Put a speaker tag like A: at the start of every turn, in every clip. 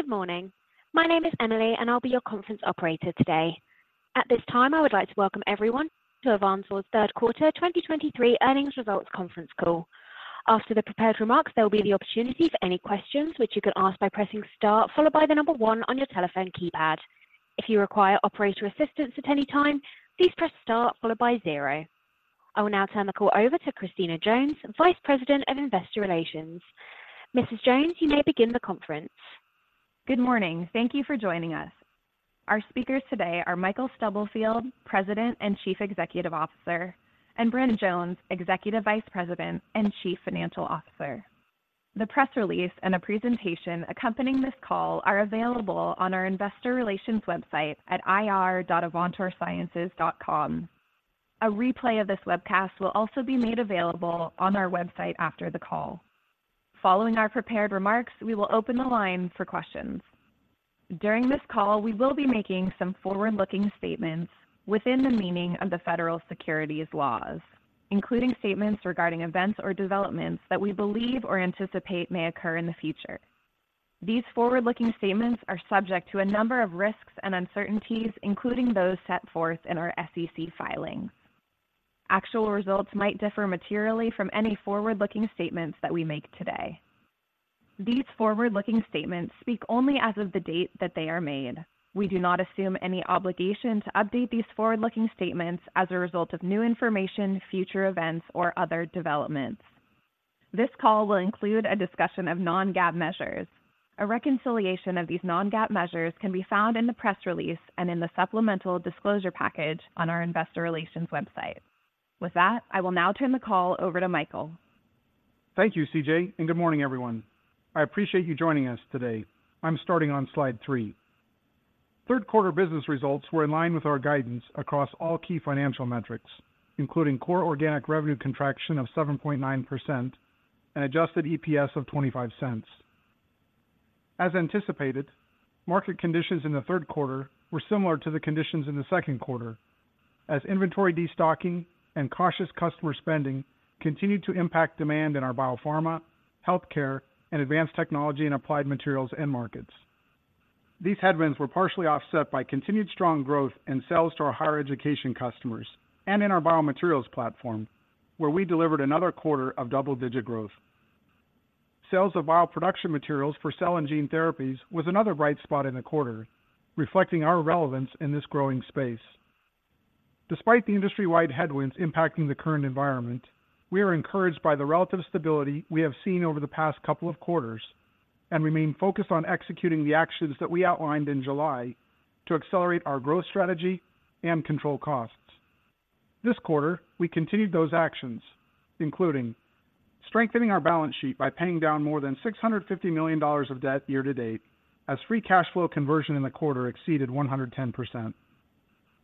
A: Good morning. My name is Emily, and I'll be your conference operator today. At this time, I would like to welcome everyone to Avantor's Q3 2023 earnings results conference call. After the prepared remarks, there will be the opportunity for any questions, which you can ask by pressing star, followed by the number 1 on your telephone keypad. If you require operator assistance at any time, please press star followed by zero. I will now turn the call over to Christina Jones, Vice President of Investor Relations. Mrs. Jones, you may begin the conference.
B: Good morning. Thank you for joining us. Our speakers today are Michael Stubblefield, President and Chief Executive Officer, and Brent Jones, Executive Vice President and Chief Financial Officer. The press release and a presentation accompanying this call are available on our investor relations website at ir.avantorsciences.com. A replay of this webcast will also be made available on our website after the call. Following our prepared remarks, we will open the line for questions. During this call, we will be making some forward-looking statements within the meaning of the federal securities laws, including statements regarding events or developments that we believe or anticipate may occur in the future. These forward-looking statements are subject to a number of risks and uncertainties, including those set forth in our SEC filings. Actual results might differ materially from any forward-looking statements that we make today. These forward-looking statements speak only as of the date that they are made. We do not assume any obligation to update these forward-looking statements as a result of new information, future events, or other developments. This call will include a discussion of non-GAAP measures. A reconciliation of these non-GAAP measures can be found in the press release and in the supplemental disclosure package on our investor relations website. With that, I will now turn the call over to Michael.
C: Thank you, CJ, and good morning, everyone. I appreciate you joining us today. I'm starting on slide three. Q3 business results were in line with our guidance across all key financial metrics, including core organic revenue contraction of 7.9% and adjusted EPS of $0.25. As anticipated, market conditions in the Q3 were similar to the conditions in the Q2, as inventory destocking and cautious customer spending continued to impact demand in our biopharma, healthcare, and advanced technology and applied materials end markets. These headwinds were partially offset by continued strong growth in sales to our higher education customers and in our biomaterials platform, where we delivered another quarter of double-digit growth. Sales of bioproduction materials for cell and gene therapies was another bright spot in the quarter, reflecting our relevance in this growing space. Despite the industry-wide headwinds impacting the current environment, we are encouraged by the relative stability we have seen over the past couple of quarters and remain focused on executing the actions that we outlined in July to accelerate our growth strategy and control costs. This quarter, we continued those actions, including strengthening our balance sheet by paying down more than $650 million of debt year to date, as free cash flow conversion in the quarter exceeded 110%.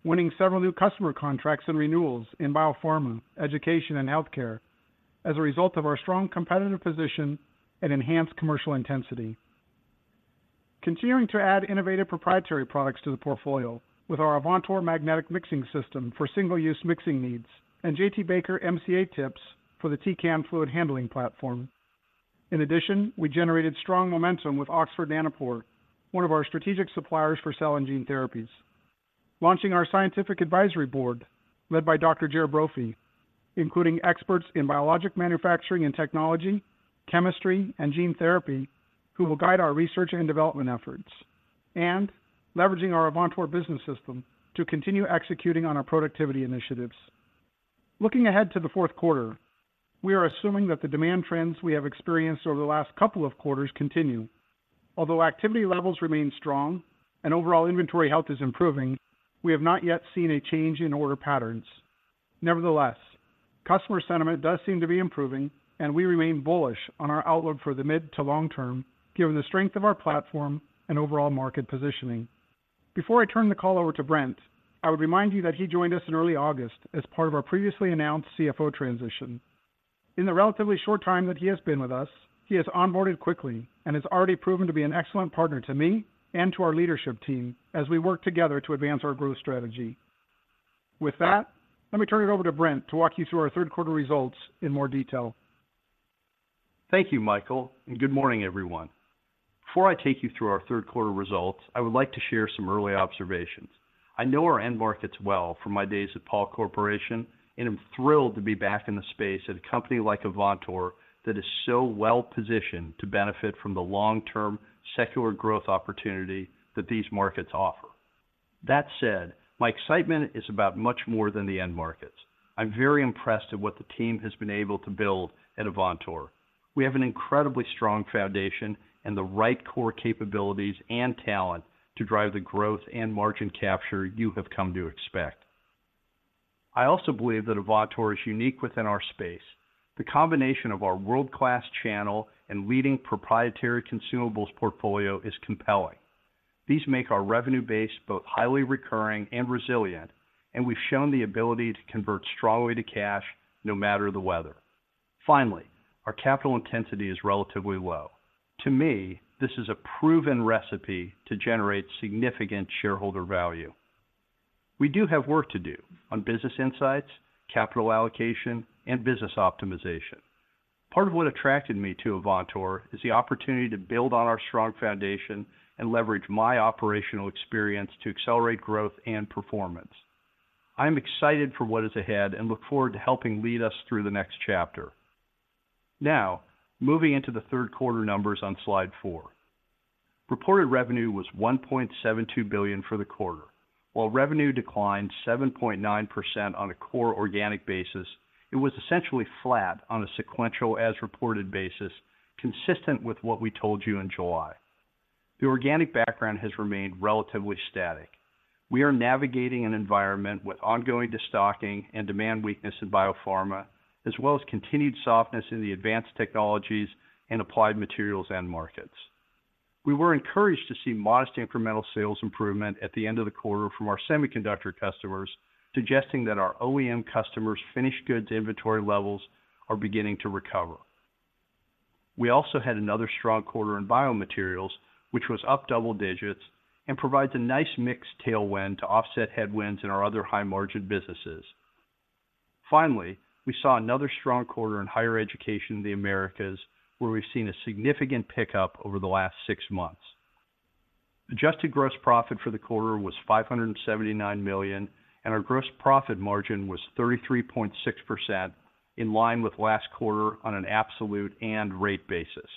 C: Winning several new customer contracts and renewals in biopharma, education, and healthcare as a result of our strong competitive position and enhanced commercial intensity. Continuing to add innovative proprietary products to the portfolio with our Avantor Magnetic Mixing System for single-use mixing needs and J.T. Baker MCA Tips for the Tecan fluid handling platform. In addition, we generated strong momentum with Oxford Nanopore, one of our strategic suppliers for cell and gene therapies. Launching our scientific advisory board, led by Dr. Ger Brophy, including experts in biologic manufacturing and technology, chemistry, and gene therapy, who will guide our research and development efforts, and leveraging our Avantor Business System to continue executing on our productivity initiatives. Looking ahead to the Q4, we are assuming that the demand trends we have experienced over the last couple of quarters continue. Although activity levels remain strong and overall inventory health is improving, we have not yet seen a change in order patterns. Nevertheless, customer sentiment does seem to be improving, and we remain bullish on our outlook for the mid to long term, given the strength of our platform and overall market positioning. Before I turn the call over to Brent, I would remind you that he joined us in early August as part of our previously announced CFO transition. In the relatively short time that he has been with us, he has onboarded quickly and has already proven to be an excellent partner to me and to our leadership team as we work together to advance our growth strategy. With that, let me turn it over to Brent to walk you through our Q3 results in more detail.
D: Thank you, Michael, and good morning, everyone. Before I take you through our Q3 results, I would like to share some early observations. I know our end markets well from my days at Pall Corporation, and I'm thrilled to be back in the space at a company like Avantor that is so well positioned to benefit from the long-term secular growth opportunity that these markets offer. That said, my excitement is about much more than the end markets. I'm very impressed at what the team has been able to build at Avantor. We have an incredibly strong foundation and the right core capabilities and talent to drive the growth and margin capture you have come to expect. I also believe that Avantor is unique within our space. The combination of our world-class channel and leading proprietary consumables portfolio is compelling. These make our revenue base both highly recurring and resilient, and we've shown the ability to convert strongly to cash no matter the weather. Finally, our capital intensity is relatively low. To me, this is a proven recipe to generate significant shareholder value. We do have work to do on business insights, capital allocation, and business optimization. Part of what attracted me to Avantor is the opportunity to build on our strong foundation and leverage my operational experience to accelerate growth and performance. I'm excited for what is ahead and look forward to helping lead us through the next chapter. Now, moving into the Q3 numbers on slide four. Reported revenue was $1.72 billion for the quarter. While revenue declined 7.9% on a core organic basis, it was essentially flat on a sequential as-reported basis, consistent with what we told you in July. The organic background has remained relatively static. We are navigating an environment with ongoing destocking and demand weakness in biopharma, as well as continued softness in the advanced technologies and applied materials end markets. We were encouraged to see modest incremental sales improvement at the end of the quarter from our semiconductor customers, suggesting that our OEM customers' finished goods inventory levels are beginning to recover. We also had another strong quarter in biomaterials, which was up double digits and provides a nice mixed tailwind to offset headwinds in our other high-margin businesses. Finally, we saw another strong quarter in higher education in the Americas, where we've seen a significant pickup over the last six months. Adjusted gross profit for the quarter was $579 million, and our gross profit margin was 33.6%, in line with last quarter on an absolute and rate basis.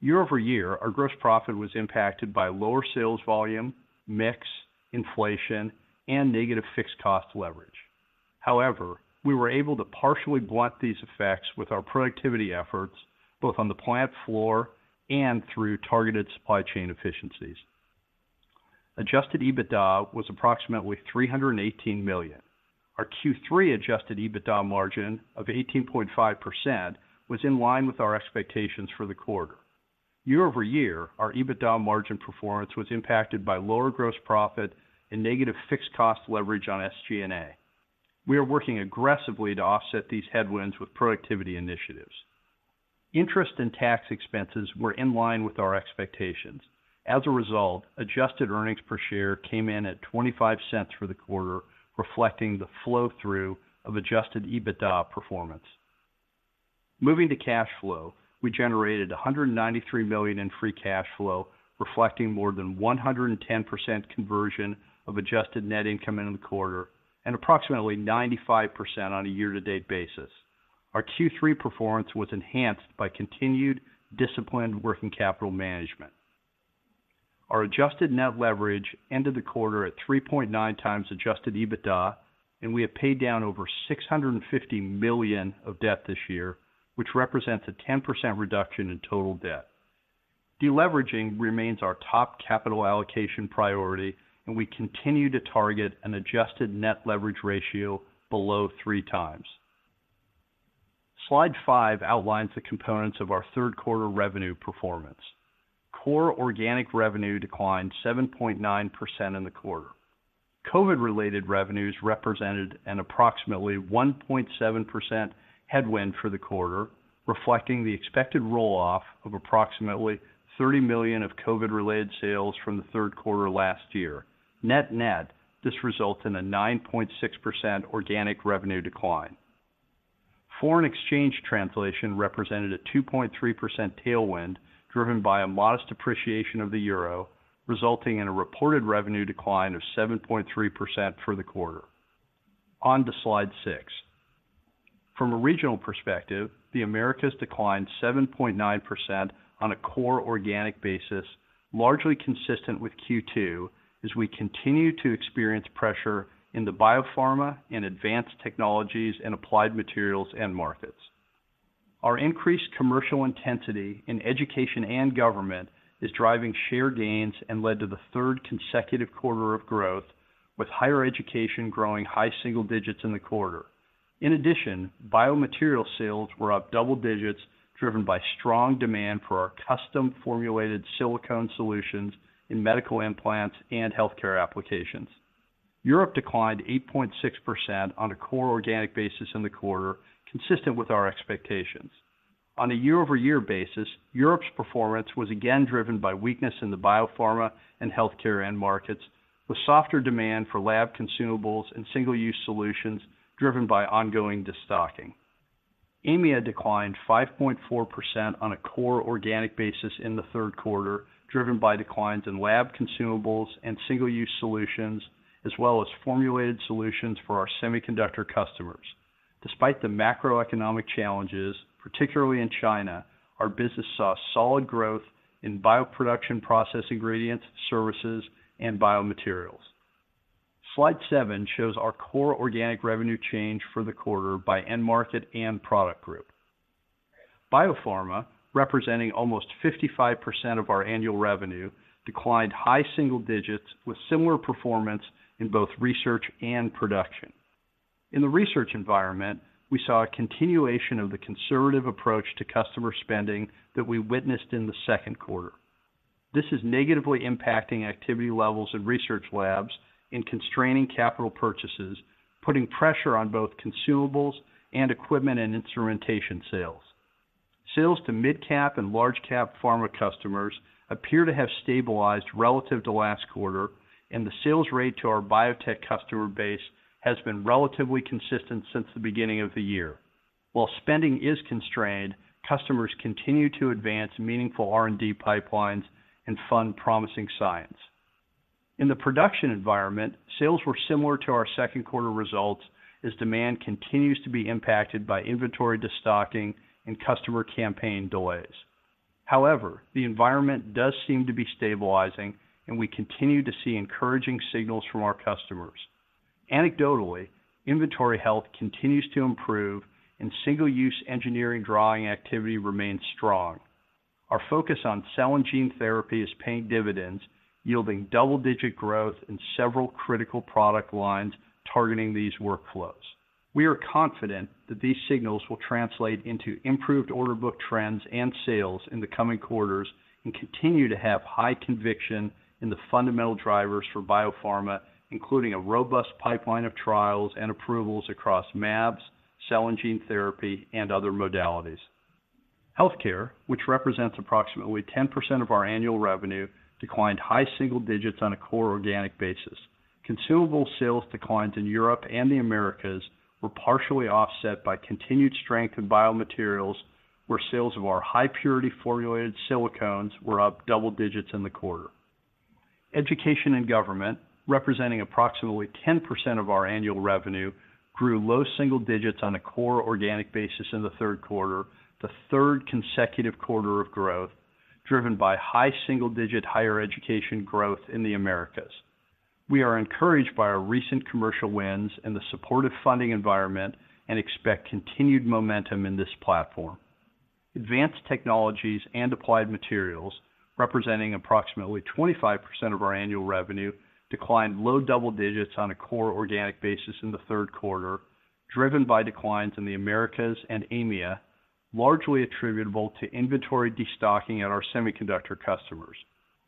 D: Year-over-year, our gross profit was impacted by lower sales volume, mix, inflation, and negative fixed cost leverage. However, we were able to partially blunt these effects with our productivity efforts, both on the plant floor and through targeted supply chain efficiencies. Adjusted EBITDA was approximately $318 million. Our Q3 adjusted EBITDA margin of 18.5% was in line with our expectations for the quarter. Year-over-year, our EBITDA margin performance was impacted by lower gross profit and negative fixed cost leverage on SG&A. We are working aggressively to offset these headwinds with productivity initiatives. Interest and tax expenses were in line with our expectations. As a result, adjusted earnings per share came in at $0.25 for the quarter, reflecting the flow-through of adjusted EBITDA performance. Moving to cash flow, we generated $193 million in free cash flow, reflecting more than 110% conversion of adjusted net income in the quarter, and approximately 95% on a year-to-date basis. Our Q3 performance was enhanced by continued disciplined working capital management. Our adjusted net leverage ended the quarter at 3.9x adjusted EBITDA, and we have paid down over $650 million of debt this year, which represents a 10% reduction in total debt. Deleveraging remains our top capital allocation priority, and we continue to target an adjusted net leverage ratio below 3x. Slide five outlines the components of our Q3 revenue performance. Core organic revenue declined 7.9% in the quarter. COVID-related revenues represented an approximately 1.7% headwind for the quarter, reflecting the expected roll-off of approximately $30 million of COVID-related sales from the Q3 last year. Net-net, this results in a 9.6% organic revenue decline. Foreign exchange translation represented a 2.3% tailwind, driven by a modest appreciation of the euro, resulting in a reported revenue decline of 7.3% for the quarter. On to slide six. From a regional perspective, the Americas declined 7.9% on a core organic basis, largely consistent with Q2, as we continue to experience pressure in the biopharma and advanced technologies and applied materials end markets. Our increased commercial intensity in education and government is driving share gains and led to the third consecutive quarter of growth, with higher education growing high single digits in the quarter. In addition, biomaterial sales were up double digits, driven by strong demand for our custom-formulated silicone solutions in medical implants and healthcare applications. Europe declined 8.6% on a core organic basis in the quarter, consistent with our expectations. On a year-over-year basis, Europe's performance was again driven by weakness in the biopharma and healthcare end markets, with softer demand for lab consumables and Single-Use Solutions driven by ongoing destocking. EMEA declined 5.4% on a core organic basis in the Q3, driven by declines in lab consumables and Single-Use Solutions, as well as formulated solutions for our semiconductor customers. Despite the macroeconomic challenges, particularly in China, our business saw solid growth in bioproduction process ingredients, services, and biomaterials. Slide seven shows our core organic revenue change for the quarter by end market and product group. Biopharma, representing almost 55% of our annual revenue, declined high single digits with similar performance in both research and production. In the research environment, we saw a continuation of the conservative approach to customer spending that we witnessed in the Q2. This is negatively impacting activity levels in research labs and constraining capital purchases, putting pressure on both consumables and equipment and instrumentation sales. Sales to mid-cap and large-cap pharma customers appear to have stabilized relative to last quarter, and the sales rate to our biotech customer base has been relatively consistent since the beginning of the year. While spending is constrained, customers continue to advance meaningful R&D pipelines and fund promising science. In the production environment, sales were similar to our Q2 results, as demand continues to be impacted by inventory destocking and customer campaign delays. However, the environment does seem to be stabilizing, and we continue to see encouraging signals from our customers. Anecdotally, inventory health continues to improve, and single-use engineering drawing activity remains strong. Our focus on cell and gene therapy is paying dividends, yielding double-digit growth in several critical product lines targeting these workflows. We are confident that these signals will translate into improved order book trends and sales in the coming quarters, and continue to have high conviction in the fundamental drivers for biopharma, including a robust pipeline of trials and approvals across mAbs, cell and gene therapy, and other modalities. Healthcare, which represents approximately 10% of our annual revenue, declined high single digits on a core organic basis. Consumable sales declines in Europe and the Americas were partially offset by continued strength in biomaterials, where sales of our high-purity formulated silicones were up double digits in the quarter. Education and government, representing approximately 10% of our annual revenue, grew low single digits on a core organic basis in the Q3, the third consecutive quarter of growth, driven by high single-digit higher education growth in the Americas. We are encouraged by our recent commercial wins and the supportive funding environment, and expect continued momentum in this platform. Advanced Technologies and Applied Materials, representing approximately 25% of our annual revenue, declined low double digits on a core organic basis in the Q3, driven by declines in the Americas and EMEA, largely attributable to inventory destocking at our semiconductor customers.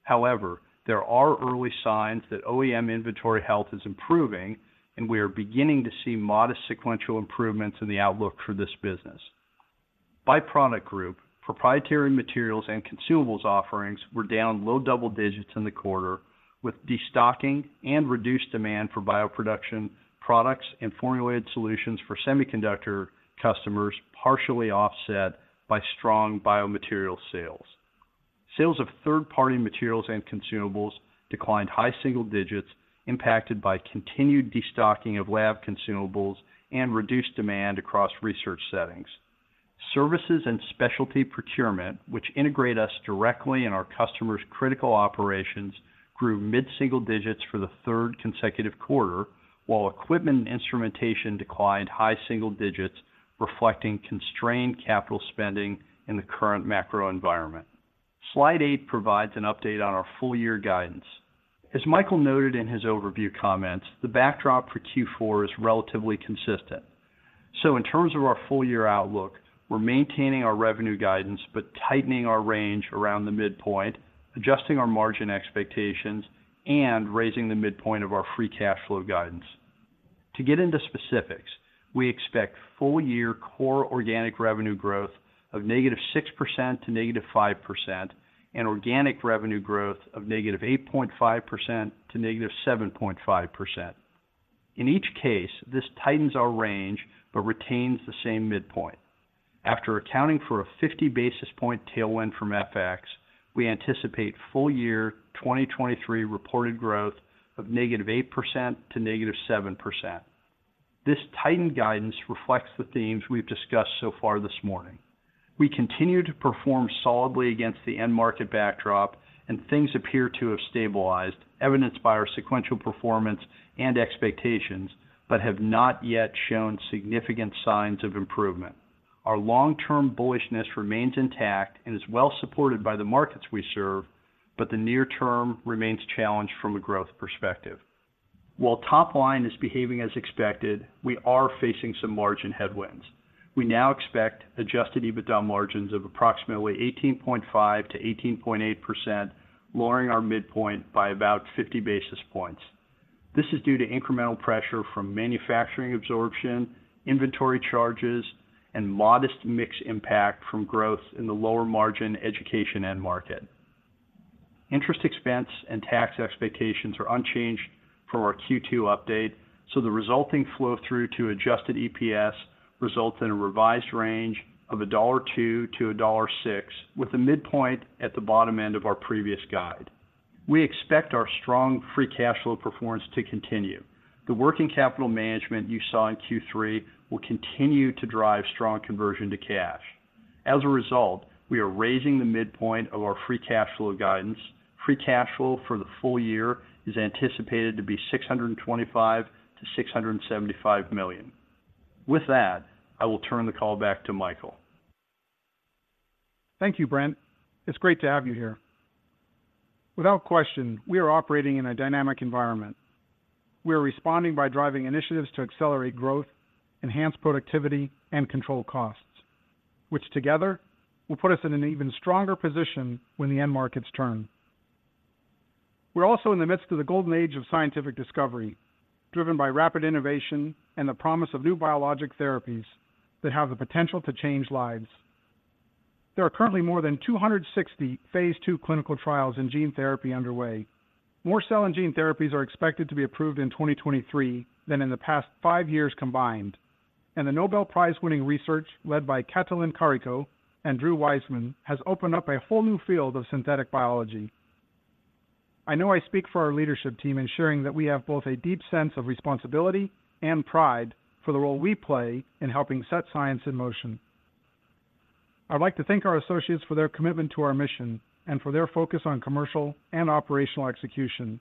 D: However, there are early signs that OEM inventory health is improving, and we are beginning to see modest sequential improvements in the outlook for this business. By product group, proprietary materials and consumables offerings were down low double digits in the quarter, with destocking and reduced demand for bioproduction products and formulated solutions for semiconductor customers, partially offset by strong biomaterial sales. Sales of third-party materials and consumables declined high single digits, impacted by continued destocking of lab consumables and reduced demand across research settings. Services and specialty procurement, which integrate us directly in our customers' critical operations, grew mid-single digits for the third consecutive quarter, while equipment and instrumentation declined high single digits, reflecting constrained capital spending in the current macro environment. Slide eight provides an update on our full-year guidance. As Michael noted in his overview comments, the backdrop for Q4 is relatively consistent. In terms of our full-year outlook, we're maintaining our revenue guidance, but tightening our range around the midpoint, adjusting our margin expectations, and raising the midpoint of our free cash flow guidance. To get into specifics, we expect full-year core organic revenue growth of -6% to -5%, and organic revenue growth of -8.5% to -7.5%. In each case, this tightens our range but retains the same midpoint. After accounting for a 50 basis point tailwind from FX, we anticipate full-year 2023 reported growth of -8% to -7%. This tightened guidance reflects the themes we've discussed so far this morning. We continue to perform solidly against the end market backdrop, and things appear to have stabilized, evidenced by our sequential performance and expectations, but have not yet shown significant signs of improvement. Our long-term bullishness remains intact and is well supported by the markets we serve, but the near-term remains challenged from a growth perspective. While top line is behaving as expected, we are facing some margin headwinds. We now expect Adjusted EBITDA margins of approximately 18.5%-18.8%, lowering our midpoint by about 50 basis points. This is due to incremental pressure from manufacturing absorption, inventory charges, and modest mix impact from growth in the lower margin education end market. Interest expense and tax expectations are unchanged from our Q2 update, so the resulting flow-through to adjusted EPS results in a revised range of $2-$6, with the midpoint at the bottom end of our previous guide. We expect our strong free cash flow performance to continue. The working capital management you saw in Q3 will continue to drive strong conversion to cash. As a result, we are raising the midpoint of our free cash flow guidance. Free cash flow for the full year is anticipated to be $625 million-$675 million. With that, I will turn the call back to Michael.
C: Thank you, Brent. It's great to have you here. Without question, we are operating in a dynamic environment. We are responding by driving initiatives to accelerate growth, enhance productivity, and control costs, which together will put us in an even stronger position when the end markets turn. We're also in the midst of the golden age of scientific discovery, driven by rapid innovation and the promise of new biologic therapies that have the potential to change lives. There are currently more than 260 phase II clinical trials in gene therapy underway. More cell and gene therapies are expected to be approved in 2023 than in the past five years combined. And the Nobel Prize-winning research led by Katalin Karikó and Drew Weissman has opened up a whole new field of synthetic biology. I know I speak for our leadership team ensuring that we have both a deep sense of responsibility and pride for the role we play in helping set science in motion. I'd like to thank our associates for their commitment to our mission and for their focus on commercial and operational execution.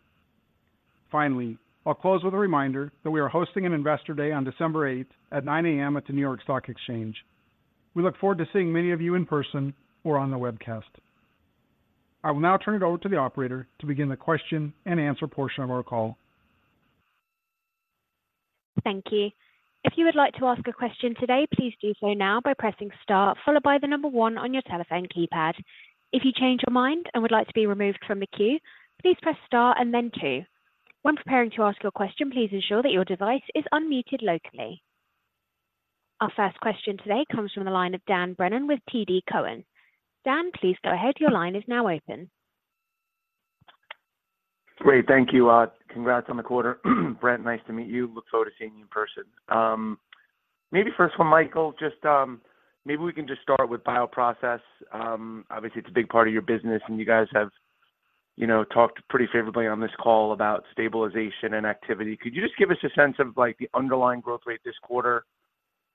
C: Finally, I'll close with a reminder that we are hosting an Investor Day on December eighth at 9:00 A.M. at the New York Stock Exchange. We look forward to seeing many of you in person or on the webcast. I will now turn it over to the operator to begin the question and answer portion of our call.
A: Thank you. If you would like to ask a question today, please do so now by pressing star, followed by the number one on your telephone keypad. If you change your mind and would like to be removed from the queue, please press star and then two. When preparing to ask your question, please ensure that your device is unmuted locally. Our first question today comes from the line of Dan Brennan with TD Cowen. Dan, please go ahead. Your line is now open.
E: Great. Thank you. Congrats on the quarter. Brent, nice to meet you. Look forward to seeing you in person. Maybe first for Michael, just, maybe we can just start with bioprocess. Obviously, it's a big part of your business, and you guys have, you know, talked pretty favorably on this call about stabilization and activity. Could you just give us a sense of, like, the underlying growth rate this quarter,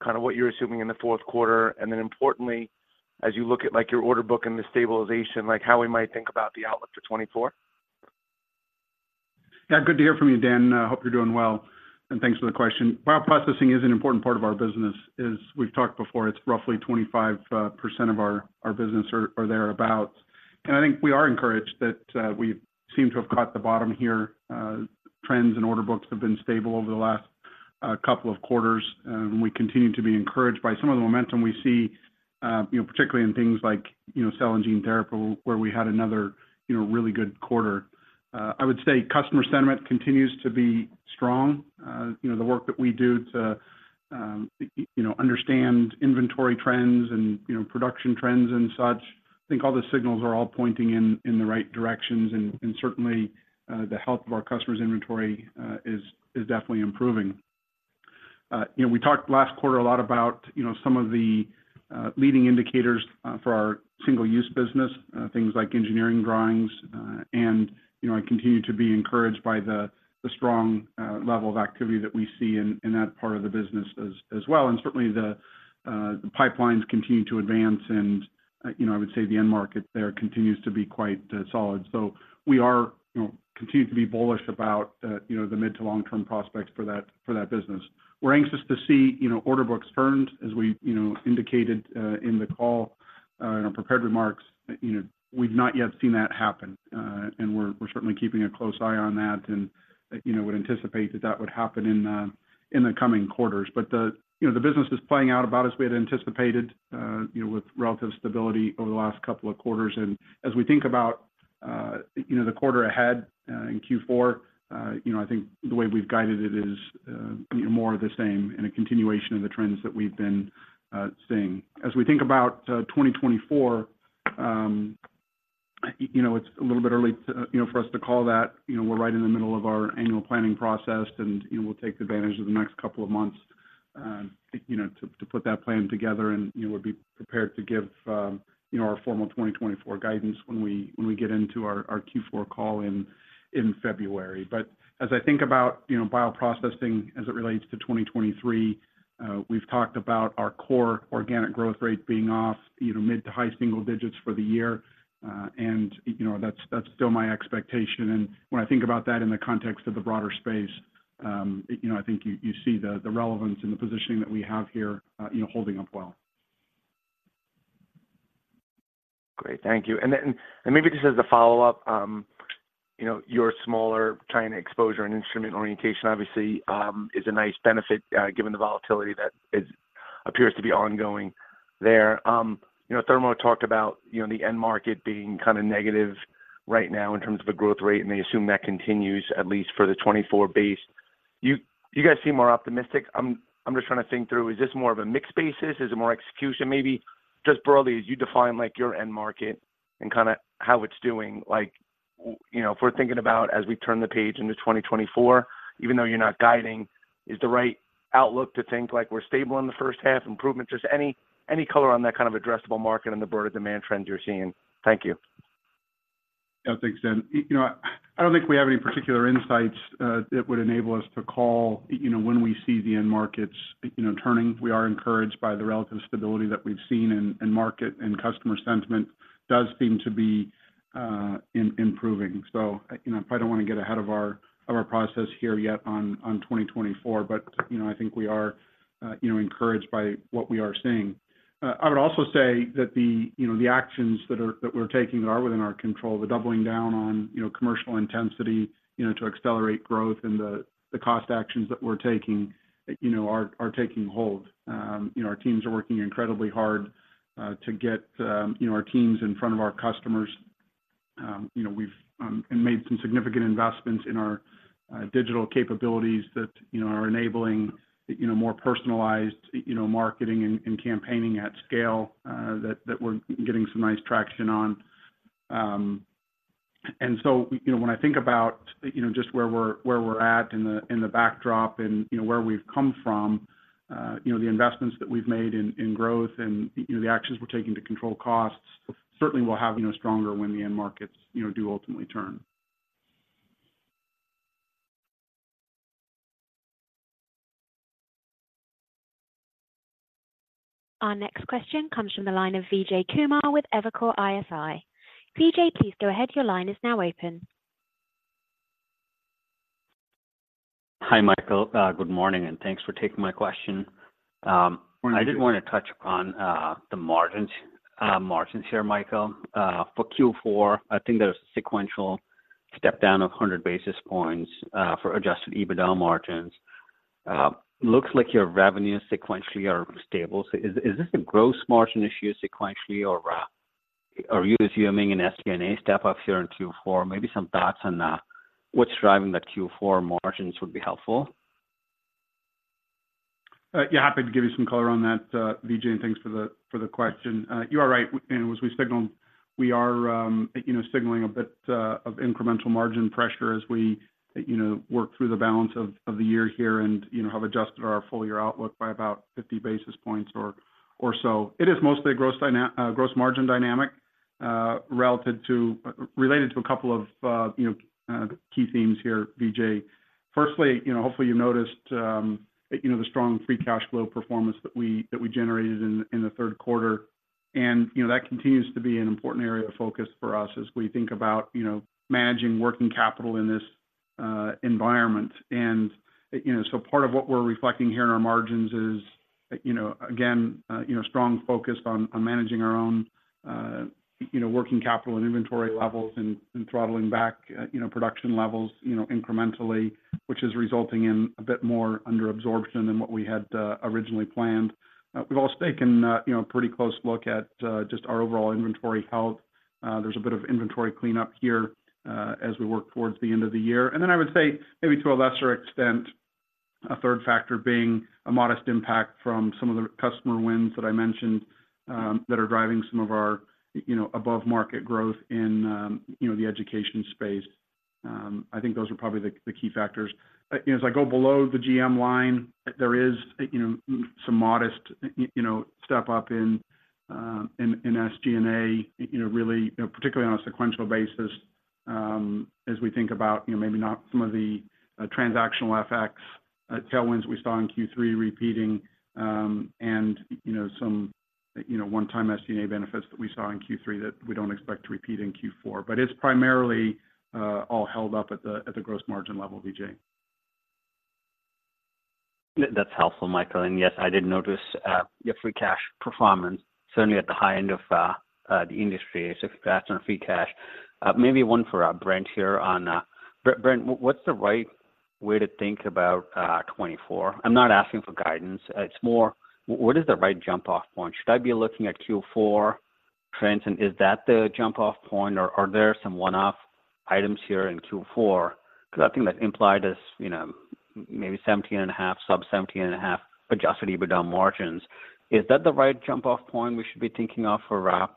E: kind of what you're assuming in the Q4, and then importantly, as you look at, like, your order book and the stabilization, like, how we might think about the outlook for 2024?
C: Yeah, good to hear from you, Dan. I hope you're doing well, and thanks for the question. Bioprocessing is an important part of our business. As we've talked before, it's roughly 25% of our business or thereabout. I think we are encouraged that we seem to have caught the bottom here. Trends and order books have been stable over the last couple of quarters, and we continue to be encouraged by some of the momentum we see, you know, particularly in things like, you know, cell and gene therapy, where we had another, you know, really good quarter. I would say customer sentiment continues to be strong, you know, the work that we do to, you know, understand inventory trends and, you know, production trends and such. I think all the signals are all pointing in the right directions, and certainly the health of our customers' inventory is definitely improving. You know, we talked last quarter a lot about, you know, some of the leading indicators for our single-use business, things like engineering drawings, and, you know, I continue to be encouraged by the strong level of activity that we see in that part of the business as well. And certainly, the pipelines continue to advance and, you know, I would say the end market there continues to be quite solid. So we are, you know, continuing to be bullish about, you know, the mid to long-term prospects for that business. We're anxious to see, you know, order books firmed, as we, you know, indicated in the call in our prepared remarks. You know, we've not yet seen that happen, and we're certainly keeping a close eye on that and, you know, would anticipate that that would happen in the coming quarters. But the, you know, the business is playing out about as we had anticipated, you know, with relative stability over the last couple of quarters. And as we think about, you know, the quarter ahead in Q4, you know, I think the way we've guided it is, you know, more of the same and a continuation of the trends that we've been seeing. As we think about 2024, you know, it's a little bit early to, you know, for us to call that. You know, we're right in the middle of our annual planning process, and, you know, we'll take advantage of the next couple of months, you know, to put that plan together, and, you know, we'll be prepared to give, you know, our formal 2024 guidance when we get into our Q4 call in February. But as I think about, you know, Bioprocessing as it relates to 2023, we've talked about our core organic growth rate being off, you know, mid- to high-single digits for the year. And, you know, that's still my expectation. And when I think about that in the context of the broader space, you know, I think you see the relevance and the positioning that we have here, you know, holding up well.
E: Great. Thank you. And then, and maybe just as a follow-up, you know, your smaller China exposure and instrument orientation obviously is a nice benefit, given the volatility that appears to be ongoing there. You know, Thermo talked about, you know, the end market being kind of negative right now in terms of the growth rate, and they assume that continues, at least for the 2024 base. You guys seem more optimistic. I'm just trying to think through, is this more of a mixed basis? Is it more execution? Maybe just broadly, as you define, like, your end market and kind of how it's doing, like, you know, if we're thinking about as we turn the page into 2024, even though you're not guiding, is the right outlook to think like we're stable in the H1, improvement, just any, any color on that kind of addressable market and the broader demand trends you're seeing? Thank you.
C: Yeah, thanks, Dan. You know, I don't think we have any particular insights that would enable us to call, you know, when we see the end markets, you know, turning. We are encouraged by the relative stability that we've seen in market, and customer sentiment does seem to be improving. So, you know, I don't want to get ahead of our process here yet on 2024, but, you know, I think we are encouraged by what we are seeing. I would also say that the actions that we're taking are within our control, the doubling down on commercial intensity, you know, to accelerate growth and the cost actions that we're taking, you know, are taking hold. You know, our teams are working incredibly hard to get our teams in front of our customers. You know, we've made some significant investments in our digital capabilities that are enabling more personalized marketing and campaigning at scale that we're getting some nice traction on. And so, you know, when I think about just where we're at in the backdrop and where we've come from, you know, the investments that we've made in growth and the actions we're taking to control costs certainly will have stronger when the end markets do ultimately turn.
A: Our next question comes from the line of Vijay Kumar with Evercore ISI. Vijay, please go ahead. Your line is now open.
F: Hi, Michael. Good morning, and thanks for taking my question.
C: Morning to you.
F: I did want to touch upon, the margins, margins here, Michael. For Q4, I think there's a sequential step down of 100 basis points, for adjusted EBITDA margins. Looks like your revenue sequentially are stable. So is this a gross margin issue sequentially, or, are you assuming an SG&A step up here in Q4? Maybe some thoughts on, what's driving the Q4 margins would be helpful.
C: Yeah, happy to give you some color on that, Vijay, and thanks for the question. You are right. And as we signaled, we are, you know, signaling a bit of incremental margin pressure as we, you know, work through the balance of the year here and, you know, have adjusted our full year outlook by about 50 basis points or so. It is mostly a gross margin dynamic related to a couple of, you know, key themes here, Vijay. Firstly, you know, hopefully you noticed, you know, the strong Free Cash Flow performance that we generated in the Q3. And, you know, that continues to be an important area of focus for us as we think about, you know, managing working capital in this environment. You know, so part of what we're reflecting here in our margins is, you know, again, you know, strong focus on managing our own, you know, working capital and inventory levels and throttling back, you know, production levels, you know, incrementally, which is resulting in a bit more under absorption than what we had, originally planned. We've also taken, you know, a pretty close look at just our overall inventory health. There's a bit of inventory cleanup here, as we work towards the end of the year. Then I would say, maybe to a lesser extent, a third factor being a modest impact from some of the customer wins that I mentioned, that are driving some of our, you know, above market growth in, you know, the education space. I think those are probably the key factors. You know, as I go below the GM line, there is, you know, some modest, you know, step up in, in SG&A, you know, really, you know, particularly on a sequential basis, as we think about, you know, maybe not some of the, transactional effects, tailwinds we saw in Q3 repeating, and, you know, some, you know, one-time SG&A benefits that we saw in Q3 that we don't expect to repeat in Q4. But it's primarily, all held up at the, at the gross margin level, Vijay.
F: That's helpful, Michael. Yes, I did notice your free cash performance, certainly at the high end of the industry. So if that's on free cash. Maybe one for Brent here on. Brent, what's the right way to think about 2024? I'm not asking for guidance. It's more, what is the right jump-off point? Should I be looking at Q4 trends, and is that the jump-off point, or are there some one-off items here in Q4? Because I think that implied is, you know, maybe 17.5, sub 17.5, adjusted EBITDA margins. Is that the right jump-off point we should be thinking of for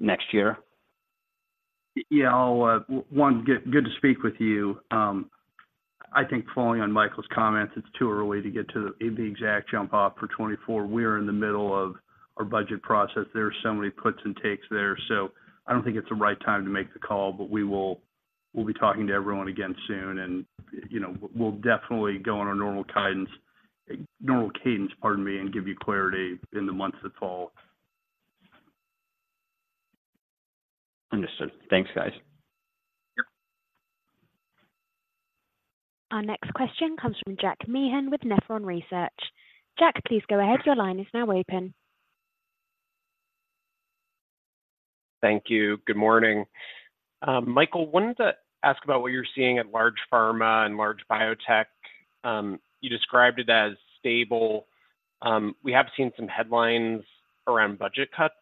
F: next year?
D: Yeah, good to speak with you. I think following on Michael's comments, it's too early to get to the exact jump-off for 2024. We're in the middle of our budget process. There are so many puts and takes there, so I don't think it's the right time to make the call, but we'll be talking to everyone again soon, and, you know, we'll definitely go on our normal guidance, normal cadence, pardon me, and give you clarity in the months to follow.
F: Understood. Thanks, guys.
C: Yep.
A: Our next question comes from Jack Meehan with Nephron Research. Jack, please go ahead. Your line is now open.
G: Thank you. Good morning. Michael, wanted to ask about what you're seeing at large pharma and large biotech. We have seen some headlines around budget cuts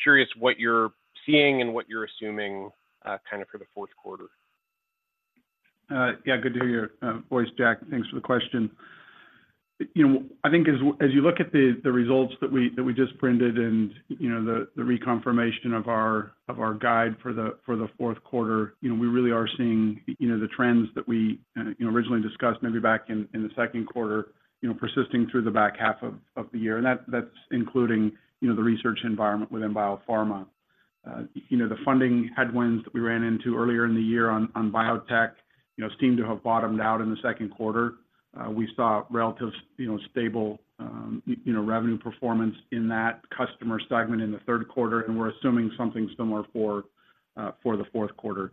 G: from some large players. I was just curious what you're seeing and what you're assuming, kind of for the Q4.
C: Yeah, good to hear your voice, Jack. Thanks for the question. You know, I think as you look at the results that we just printed and, you know, the reconfirmation of our guide for the Q4, you know, we really are seeing, you know, the trends that we, you know, originally discussed maybe back in the Q2, you know, persisting through the back half of the year. And that's including, you know, the research environment within biopharma. You know, the funding headwinds that we ran into earlier in the year on biotech, you know, seem to have bottomed out in the Q2. We saw relative, you know, stable revenue performance in that customer segment in the Q3, and we're assuming something similar for the Q4.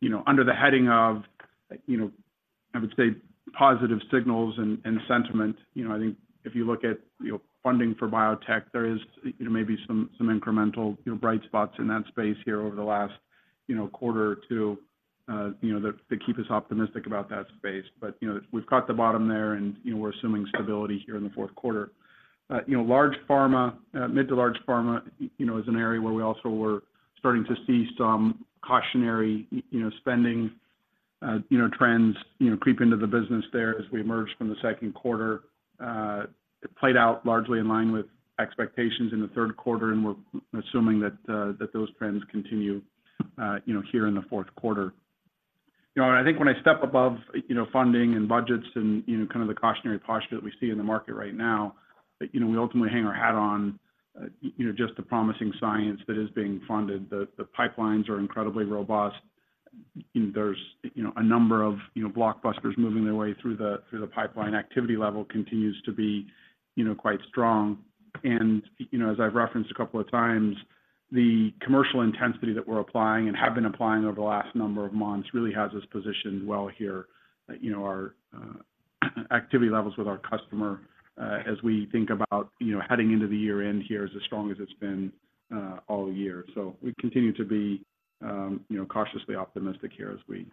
C: You know, under the heading of, you know, I would say, positive signals and sentiment, you know, I think if you look at, you know, funding for biotech, there is, you know, maybe some incremental, you know, bright spots in that space here over the last quarter or two, you know, that keep us optimistic about that space. But, you know, we've caught the bottom there, and, you know, we're assuming stability here in the Q4. You know, large pharma, mid- to large pharma, you know, is an area where we also were starting to see some cautionary, you know, spending, you know, trends, you know, creep into the business there as we emerged from the Q2. It played out largely in line with expectations in the Q3, and we're assuming that that those trends continue, you know, here in the Q4. You know, and I think when I step above, you know, funding and budgets and, you know, kind of the cautionary posture that we see in the market right now, that, you know, we ultimately hang our hat on, you know, just the promising science that is being funded. The pipelines are incredibly robust. There's, you know, a number of, you know, blockbusters moving their way through the pipeline. Activity level continues to be, you know, quite strong. And, you know, as I've referenced a couple of times, the commercial intensity that we're applying and have been applying over the last number of months, really has us positioned well here. You know, our activity levels with our customer, as we think about, you know, heading into the year-end here, is as strong as it's been, all year. So we continue to be, you know, cautiously optimistic here as we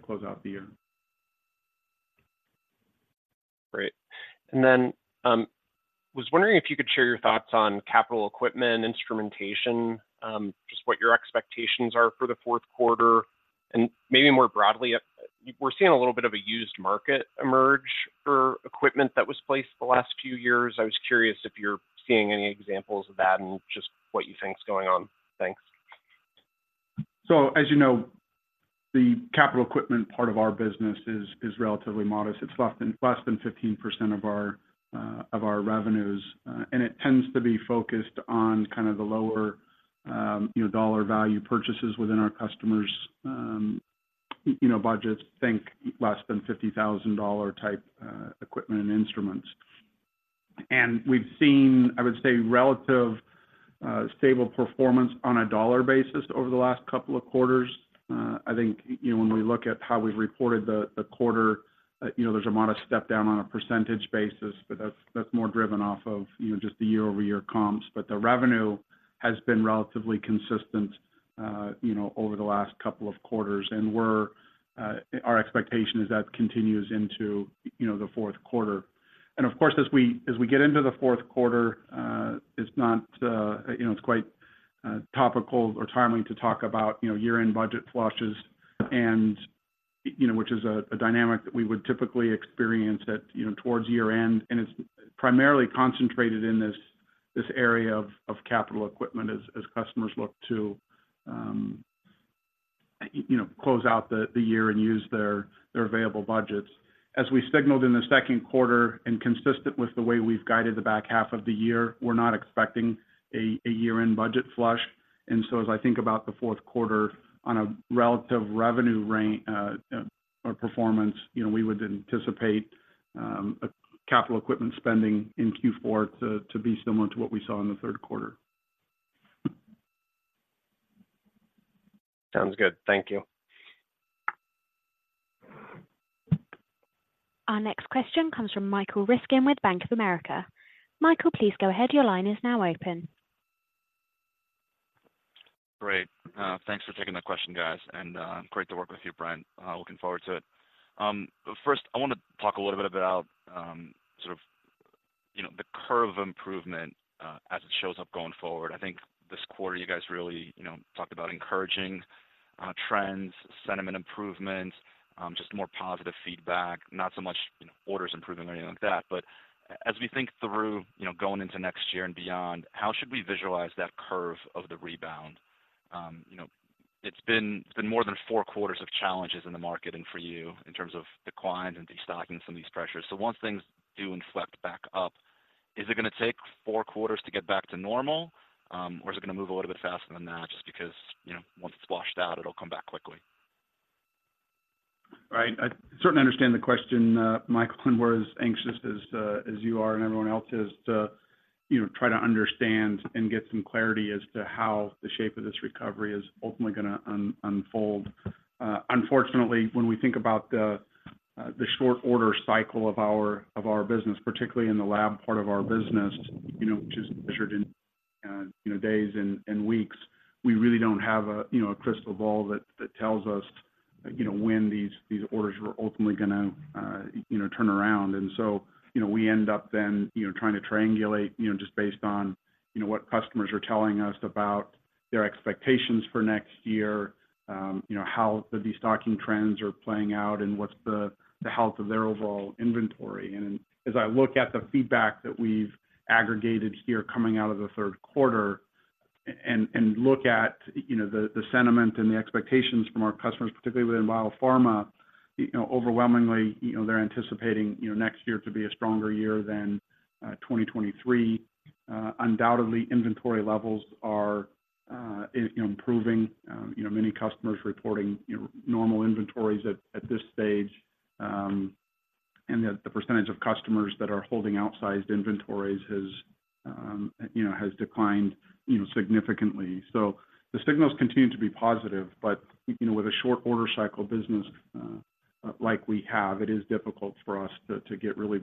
C: close out the year.
G: Great. And then, was wondering if you could share your thoughts on capital equipment, instrumentation, just what your expectations are for the Q4, and maybe more broadly, we're seeing a little bit of a used market emerge for equipment that was placed the last few years. I was curious if you're seeing any examples of that and just what you think is going on. Thanks.
C: So, as you know, the capital equipment part of our business is relatively modest. It's less than 15% of our revenues, and it tends to be focused on kind of the lower dollar value purchases within our customers' budgets, think less than $50,000 type equipment and instruments. We've seen, I would say, relative stable performance on a dollar basis over the last couple of quarters. I think, you know, when we look at how we've reported the quarter, there's a modest step down on a percentage basis, but that's more driven off of just the year-over-year comps. But the revenue has been relatively consistent, you know, over the last couple of quarters, and we're- Our expectation is that continues into, you know, the Q4. And of course, as we get into the Q4, it's not, you know, it's quite topical or timely to talk about, you know, year-end budget flushes and, you know, which is a dynamic that we would typically experience at, you know, towards year-end. And it's primarily concentrated in this area of capital equipment as customers look to, you know, close out the year and use their available budgets. As we signaled in the Q2 and consistent with the way we've guided the back half of the year, we're not expecting a year-end budget flush. As I think about the Q4, on a relative revenue range or performance, you know, we would anticipate a capital equipment spending in Q4 to be similar to what we saw in the Q3.
G: Sounds good. Thank you.
A: Our next question comes from Michael Ryskin with Bank of America. Michael, please go ahead. Your line is now open.
H: Great. Thanks for taking the question, guys, and great to work with you, Brent. Looking forward to it. But first, I want to talk a little bit about sort of, you know, the curve of improvement as it shows up going forward. I think this quarter, you guys really, you know, talked about encouraging trends, sentiment improvements, just more positive feedback, not so much, you know, orders improving or anything like that. But as we think through, you know, going into next year and beyond, how should we visualize that curve of the rebound? You know, it's been more than four quarters of challenges in the market and for you in terms of declines and destocking some of these pressures. So once things do inflect back up, is it going to take four quarters to get back to normal? Or is it going to move a little bit faster than that, just because, you know, once it's washed out, it'll come back quickly?
C: Right. I certainly understand the question, Michael, and we're as anxious as you are and everyone else is to, you know, try to understand and get some clarity as to how the shape of this recovery is ultimately going to unfold. Unfortunately, when we think about the short order cycle of our business, particularly in the lab part of our business, you know, which is measured in, you know, days and weeks, we really don't have a, you know, a crystal ball that tells us, you know, when these orders are ultimately gonna, you know, turn around. You know, we end up then, you know, trying to triangulate, you know, just based on, you know, what customers are telling us about their expectations for next year, you know, how the destocking trends are playing out, and what's the health of their overall inventory. As I look at the feedback that we've aggregated here coming out of the Q3, and look at, you know, the sentiment and the expectations from our customers, particularly within Biopharma, you know, overwhelmingly, you know, they're anticipating, you know, next year to be a stronger year than 2023. Undoubtedly, inventory levels are improving, you know, many customers reporting, you know, normal inventories at this stage, and that the percentage of customers that are holding outsized inventories has, you know, has declined, you know, significantly. So the signals continue to be positive, but, you know, with a short order cycle business, like we have, it is difficult for us to, to get really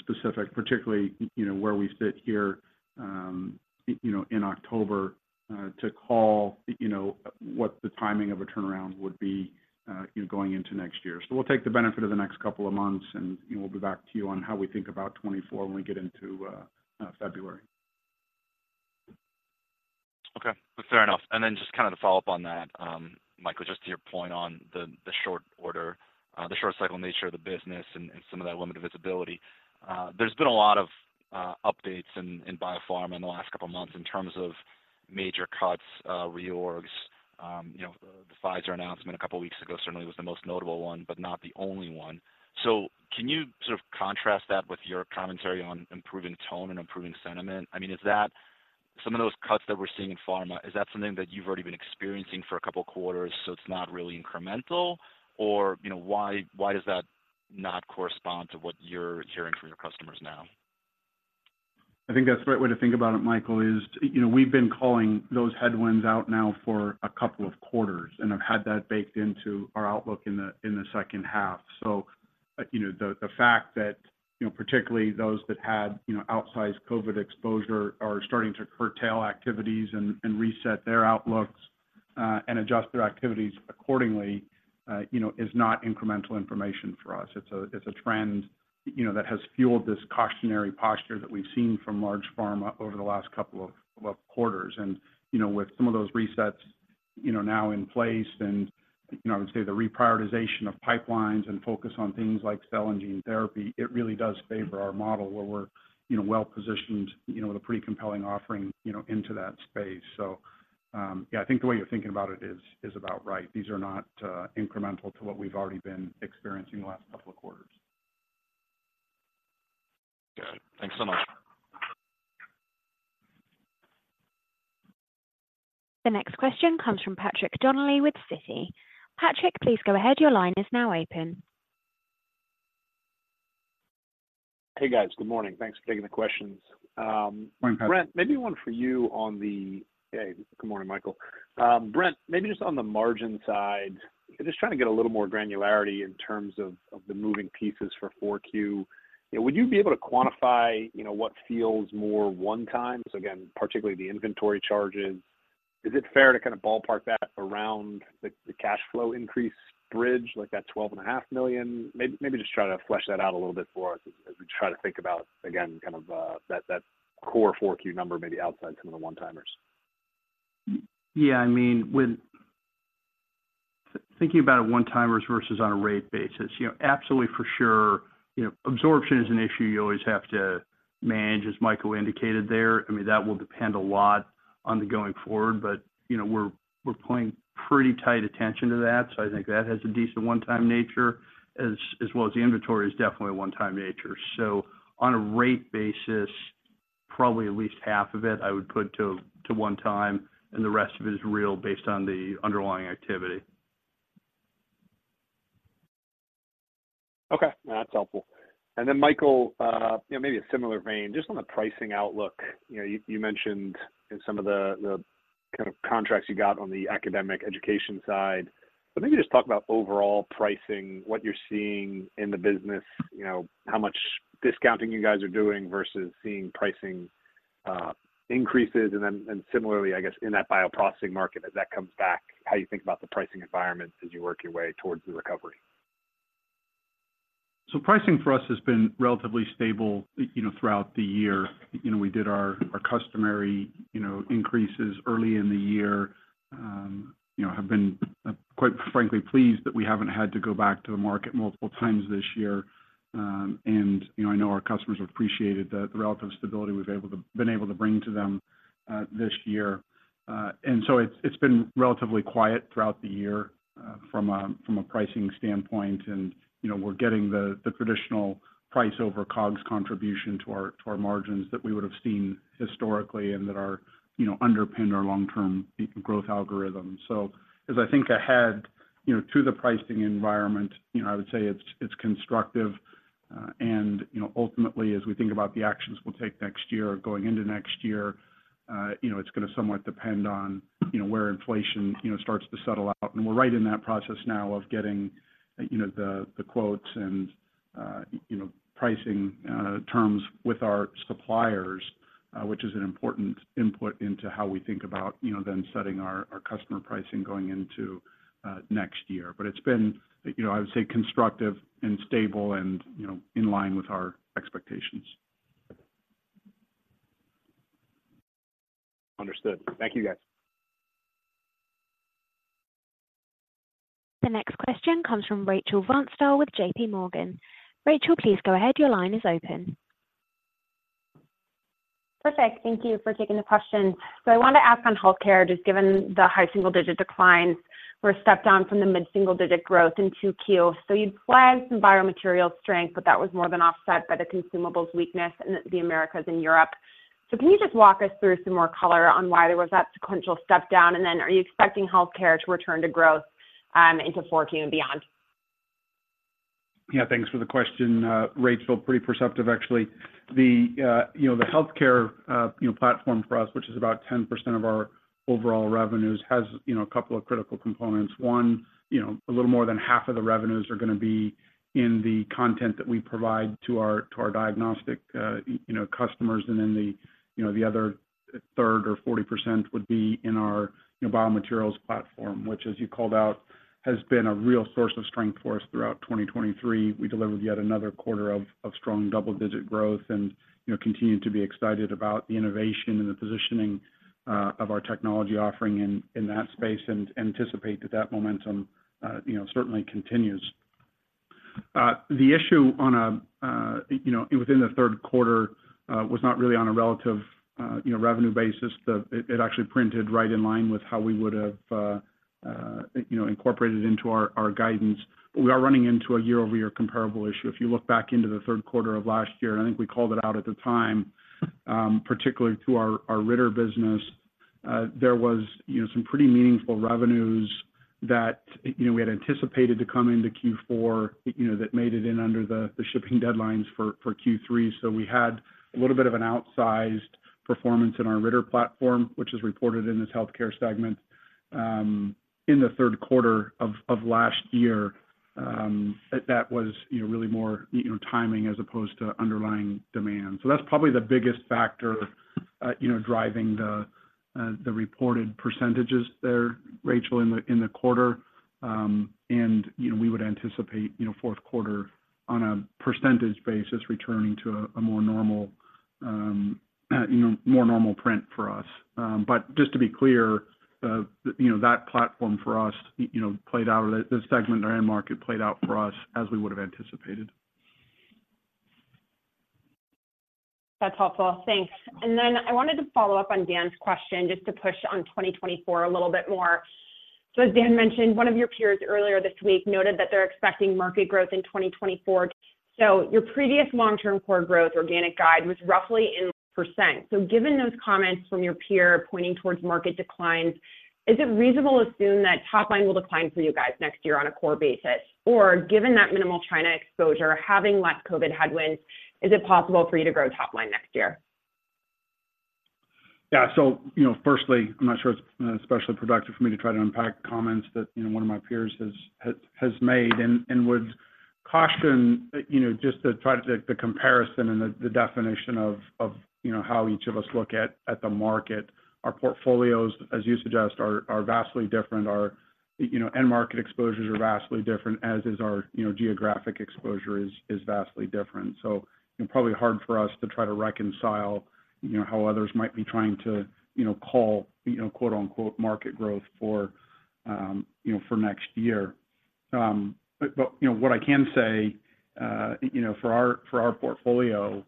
C: specific, particularly, you know, where we sit here, you know, in October, to call, you know, what the timing of a turnaround would be, going into next year. So we'll take the benefit of the next couple of months, and we'll be back to you on how we think about 2024 when we get into February.
H: Okay, fair enough. Then just kind of to follow up on that, Michael, just to your point on the short cycle nature of the business and some of that limited visibility. There's been a lot of updates in biopharma in the last couple of months in terms of major cuts, reorgs. You know, the Pfizer announcement a couple of weeks ago certainly was the most notable one, but not the only one. So can you sort of contrast that with your commentary on improving tone and improving sentiment? I mean, is that some of those cuts that we're seeing in pharma, is that something that you've already been experiencing for a couple of quarters, so it's not really incremental? Or, you know, why does that not correspond to what you're hearing from your customers now?
C: I think that's the right way to think about it, Michael, is, you know, we've been calling those headwinds out now for a couple of quarters and have had that baked into our outlook in the H2. So, you know, the fact that, you know, particularly those that had, you know, outsized COVID exposure are starting to curtail activities and reset their outlooks, and adjust their activities accordingly, you know, is not incremental information for us. It's a trend, you know, that has fueled this cautionary posture that we've seen from large pharma over the last couple of quarters. You know, with some of those resets, you know, now in place, and, you know, I would say the reprioritization of pipelines and focus on things like cell and gene therapy, it really does favor our model, where we're, you know, well-positioned, you know, with a pretty compelling offering, you know, into that space. So, yeah, I think the way you're thinking about it is about right. These are not incremental to what we've already been experiencing in the last couple of quarters.
H: Good. Thanks so much.
A: The next question comes from Patrick Donnelly with Citi. Patrick, please go ahead. Your line is now open.
I: Hey, guys. Good morning. Thanks for taking the questions.
C: Good morning, Patrick.
I: Brent, maybe one for you on the... Hey, good morning, Michael. Brent, maybe just on the margin side, just trying to get a little more granularity in terms of, of the moving pieces for 4Q. Would you be able to quantify, you know, what feels more one-time? So again, particularly the inventory charges, is it fair to kind of ballpark that around the, the cash flow increase bridge, like that $12.5 million? Maybe, maybe just try to flesh that out a little bit for us as we try to think about, again, kind of, that, that core 4Q number, maybe outside some of the one-timers.
D: Yeah, I mean, when, thinking about a one-timers versus on a rate basis, you know, absolutely for sure, you know, absorption is an issue you always have to manage, as Michael indicated there. I mean, that will depend a lot on the going forward, but, you know, we're, we're paying pretty tight attention to that. So I think that has a decent one-time nature, as, as well as the inventory is definitely a one-time nature. So on a rate basis, probably at least half of it, I would put to, to one time, and the rest of it is real based on the underlying activity.
I: Okay, that's helpful. And then, Michael, you know, maybe a similar vein, just on the pricing outlook. You know, you mentioned in some of the, the kind of contracts you got on the academic education side, but maybe just talk about overall pricing, what you're seeing in the business, you know, how much discounting you guys are doing versus seeing pricing increases. And then, and similarly, I guess, in that bioprocessing market, as that comes back, how you think about the pricing environment as you work your way towards the recovery.
C: So pricing for us has been relatively stable, you know, throughout the year. You know, we did our customary, you know, increases early in the year, you know, have been quite frankly pleased that we haven't had to go back to the market multiple times this year. And, you know, I know our customers have appreciated the relative stability we've been able to bring to them this year. And so it's been relatively quiet throughout the year from a pricing standpoint, and, you know, we're getting the traditional price over COGS contribution to our margins that we would have seen historically and that are, you know, underpinned our long-term growth algorithm. So as I think ahead, you know, to the pricing environment, you know, I would say it's constructive, and, you know, ultimately, as we think about the actions we'll take next year or going into next year, you know, it's going to somewhat depend on, you know, where inflation, you know, starts to settle out. And we're right in that process now of getting, you know, the quotes and, you know, pricing terms with our suppliers, which is an important input into how we think about, you know, then setting our customer pricing going into next year. But it's been, you know, I would say, constructive and stable and, you know, in line with our expectations.
I: Understood. Thank you, guys.
A: The next question comes from Rachel Vatnsdal with JPMorgan. Rachel, please go ahead. Your line is open.
J: Perfect. Thank you for taking the question. So I wanted to ask on healthcare, just given the high single-digit declines, we're a step down from the mid single-digit growth in 2Q. So you flagged some biomaterial strength, but that was more than offset by the consumables weakness in the Americas and Europe. So can you just walk us through some more color on why there was that sequential step down? And then are you expecting healthcare to return to growth into 4Q and beyond?
C: Yeah, thanks for the question, Rachel. Pretty perceptive, actually. The, you know, the healthcare, you know, platform for us, which is about 10% of our overall revenues, has, you know, a couple of critical components. One, you know, a little more than half of the revenues are going to be in the content that we provide to our, to our diagnostic, you know, customers. And then the, you know, the other third or 40% would be in our biomaterials platform, which, as you called out, has been a real source of strength for us throughout 2023. We delivered yet another quarter of strong double-digit growth and, you know, continue to be excited about the innovation and the positioning of our technology offering in that space, and anticipate that momentum, you know, certainly continues. The issue on a, you know, within the Q3, was not really on a relative, you know, revenue basis. It actually printed right in line with how we would have, you know, incorporated into our, our guidance. But we are running into a year-over-year comparable issue. If you look back into the Q3 of last year, I think we called it out at the time, particularly to our, our Ritter business, there was, you know, some pretty meaningful revenues that, you know, we had anticipated to come into Q4, you know, that made it in under the, the shipping deadlines for, for Q3. So we had a little bit of an outsized performance in our Ritter platform, which is reported in this healthcare segment, in the Q3 of last year, that was, you know, really more, you know, timing as opposed to underlying demand. So that's probably the biggest factor, you know, driving the reported percentages there, Rachel, in the quarter. And, you know, we would anticipate, you know, Q4 on a percentage basis, returning to a more normal, you know, more normal print for us. But just to be clear, you know, that platform for us, you know, played out, the segment or end market played out for us as we would have anticipated.
J: That's helpful. Thanks. Then I wanted to follow up on Dan's question, just to push on 2024 a little bit more. So as Dan mentioned, one of your peers earlier this week noted that they're expecting market growth in 2024. So your previous long-term core growth organic guide was roughly 3%. So given those comments from your peer pointing towards market declines, is it reasonable to assume that top line will decline for you guys next year on a core basis? Or given that minimal China exposure, having less COVID headwinds, is it possible for you to grow top line next year?
C: Yeah. So, you know, firstly, I'm not sure it's especially productive for me to try to unpack comments that, you know, one of my peers has made, and would caution, you know, just to try to take the comparison and the definition of, you know, how each of us look at the market. Our portfolios, as you suggest, are vastly different. Our, you know, end market exposures are vastly different, as is our, you know, geographic exposure is vastly different. So it's probably hard for us to try to reconcile, you know, how others might be trying to, you know, call, you know, quote-unquote, market growth for, you know, for next year. But you know, what I can say, you know, for our portfolio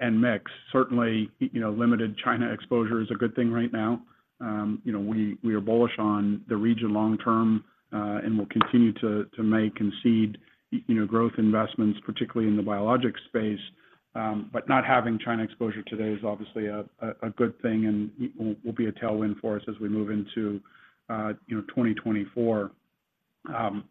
C: and mix, certainly, you know, limited China exposure is a good thing right now. You know, we are bullish on the region long term, and we'll continue to make and seed, you know, growth investments, particularly in the biologic space. But not having China exposure today is obviously a good thing and will be a tailwind for us as we move into, you know, 2024.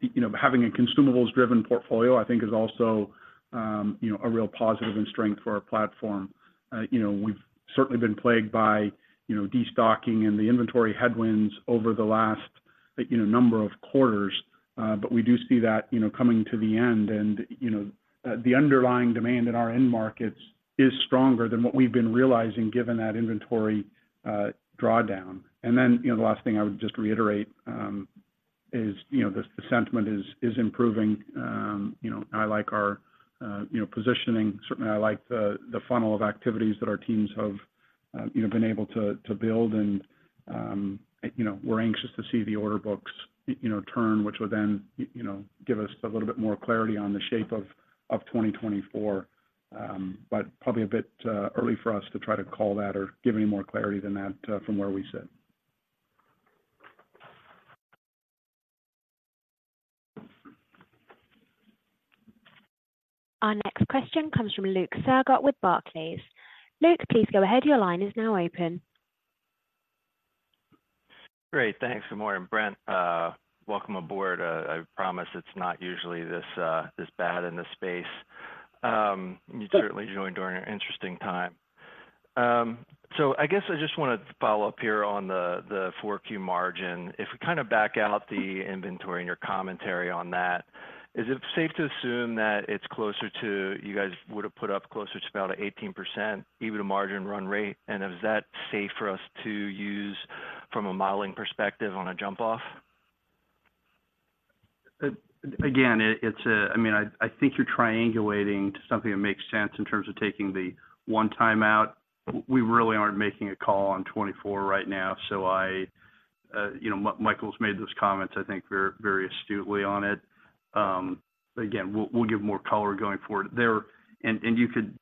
C: You know, having a consumables-driven portfolio, I think, is also, you know, a real positive and strength for our platform. You know, we've certainly been plagued by, you know, destocking and the inventory headwinds over the last, you know, number of quarters, but we do see that, you know, coming to the end. And, you know, the underlying demand in our end markets is stronger than what we've been realizing, given that inventory drawdown. And then, you know, the last thing I would just reiterate is, you know, the sentiment is improving. You know, I like our positioning. Certainly, I like the funnel of activities that our teams have, you know, been able to build. And, you know, we're anxious to see the order books, you know, turn, which will then, you know, give us a little bit more clarity on the shape of 2024. But probably a bit early for us to try to call that or give any more clarity than that from where we sit.
A: Our next question comes from Luke Sergott with Barclays. Luke, please go ahead. Your line is now open.
K: Great. Thanks, good morning, Brent. Welcome aboard, I promise it's not usually this, this bad in this space. You certainly joined during an interesting time. So I guess I just wanted to follow up here on the, the 4Q margin. If we kind of back out the inventory and your commentary on that, is it safe to assume that it's closer to, you guys would have put up closer to about 18%, even a margin run rate? And is that safe for us to use from a modeling perspective on a jump-off?
D: Again, it's a, I mean, I think you're triangulating to something that makes sense in terms of taking the one-time out. We really aren't making a call on 2024 right now, so I, you know, Michael's made those comments, I think, very, very astutely on it. Again, we'll give more color going forward. And you could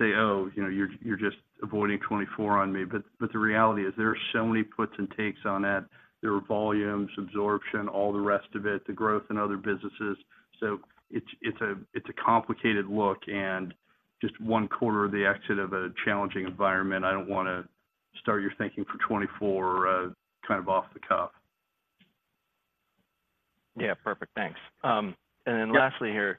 D: say, oh, you know, you're just avoiding 2024 on me. But the reality is, there are so many puts and takes on that. There are volumes, absorption, all the rest of it, the growth in other businesses. So it's a complicated look and just one quarter of the exit of a challenging environment. I don't want to start your thinking for 2024 kind of off the cuff.
K: Yeah, perfect. Thanks. And then lastly here,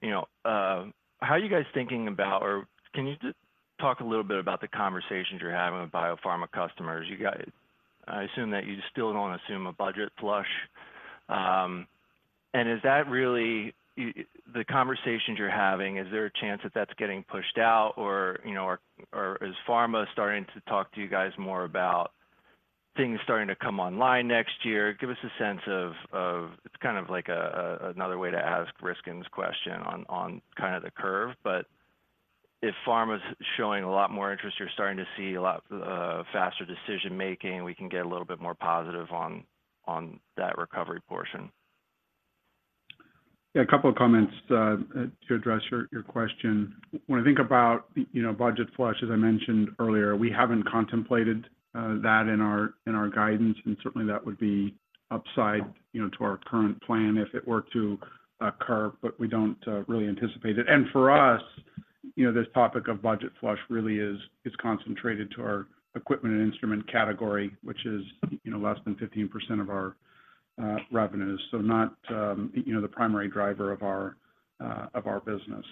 K: you know, how are you guys thinking about, or can you just talk a little bit about the conversations you're having with biopharma customers? You got, I assume that you still don't assume a budget flush. And is that really the conversations you're having, is there a chance that that's getting pushed out, or, you know, or, or is pharma starting to talk to you guys more about things starting to come online next year? Give us a sense of, of, it's kind of like a, another way to ask Ryskin's question on, on kind of the curve. But if pharma's showing a lot more interest, you're starting to see a lot, faster decision making, we can get a little bit more positive on, on that recovery portion.
C: Yeah, a couple of comments to address your, your question. When I think about, you know, budget flush, as I mentioned earlier, we haven't contemplated that in our, in our guidance, and certainly that would be upside, you know, to our current plan if it were to occur, but we don't really anticipate it. And for us, you know, this topic of budget flush really is concentrated to our equipment and instrument category, which is, you know, less than 15% of our revenues. So not, you know, the primary driver of our business.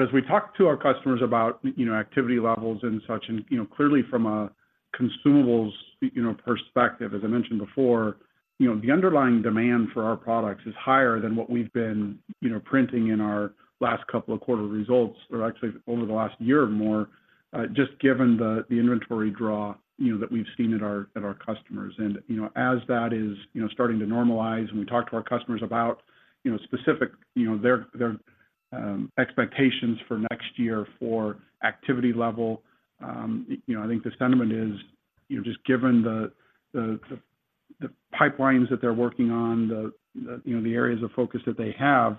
C: As we talk to our customers about, you know, activity levels and such, and, you know, clearly from a consumables, you know, perspective, as I mentioned before, you know, the underlying demand for our products is higher than what we've been, you know, printing in our last couple of quarter results, or actually over the last year or more, just given the inventory draw, you know, that we've seen at our customers. You know, as that is, you know, starting to normalize, and we talk to our customers about, you know, specific, you know, their expectations for next year for activity level, you know, I think the sentiment is, you know, just given the pipelines that they're working on, the, you know, the areas of focus that they have,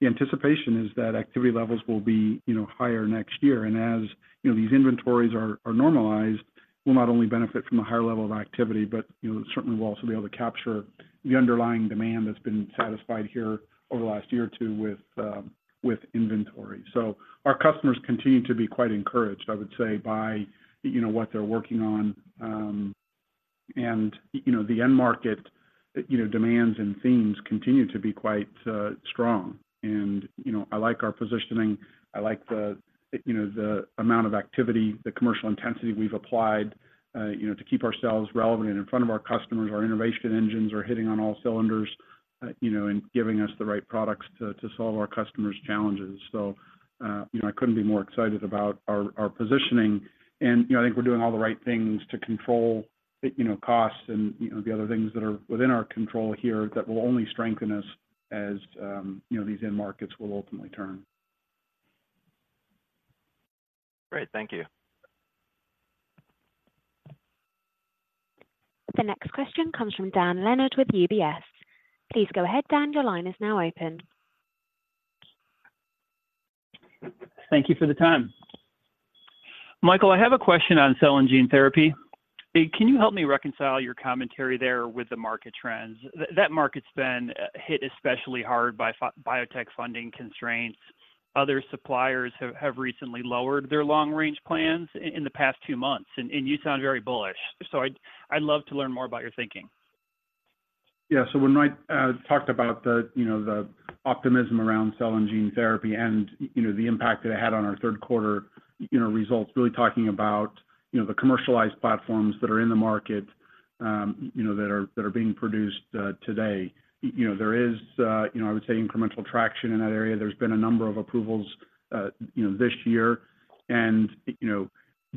C: the anticipation is that activity levels will be, you know, higher next year. And as, you know, these inventories are normalized, we'll not only benefit from a higher level of activity, but, you know, certainly we'll also be able to capture the underlying demand that's been satisfied here over the last year or two with inventory. So our customers continue to be quite encouraged, I would say, by, you know, what they're working on. You know, the end market demands and themes continue to be quite strong. You know, I like our positioning. I like the, you know, the amount of activity, the commercial intensity we've applied, you know, to keep ourselves relevant and in front of our customers. Our innovation engines are hitting on all cylinders, you know, and giving us the right products to solve our customers' challenges. So, you know, I couldn't be more excited about our positioning, and, you know, I think we're doing all the right things to control, you know, costs and, you know, the other things that are within our control here that will only strengthen us as, you know, these end markets will ultimately turn.
K: Great. Thank you.
A: The next question comes from Dan Leonard with UBS. Please go ahead, Dan. Your line is now open.
L: Thank you for the time. Michael, I have a question on cell and gene therapy. Can you help me reconcile your commentary there with the market trends? That market's been hit especially hard by biotech funding constraints. Other suppliers have recently lowered their long-range plans in the past two months, and you sound very bullish. So I'd love to learn more about your thinking.
C: Yeah. So when I talked about the, you know, the optimism around cell and gene therapy and, you know, the impact that it had on our Q3, you know, results, really talking about, you know, the commercialized platforms that are in the market, you know, that are, that are being produced today. You know, there is, you know, I would say, incremental traction in that area. There's been a number of approvals, you know, this year. And, you know,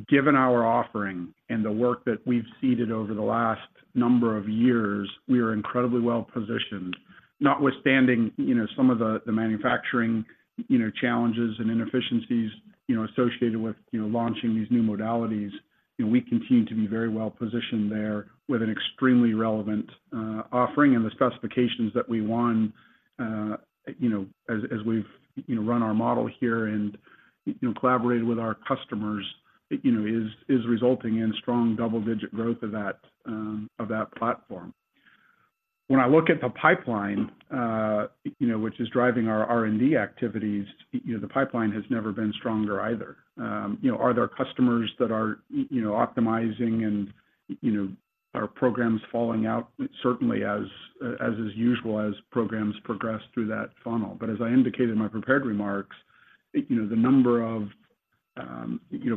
C: given our offering and the work that we've seeded over the last number of years, we are incredibly well positioned, notwithstanding, you know, some of the manufacturing, you know, challenges and inefficiencies, you know, associated with, you know, launching these new modalities. We continue to be very well positioned there with an extremely relevant offering and the specifications that we won, you know, as, as we've, you know, run our model here and, you know, collaborated with our customers, you know, is, is resulting in strong double-digit growth of that, of that platform. When I look at the pipeline, you know, which is driving our R&D activities, you know, the pipeline has never been stronger either. You know, are there customers that are you know, optimizing and, you know, are programs falling out? Certainly, as, as is usual, as programs progress through that funnel. But as I indicated in my prepared remarks, you know, the number of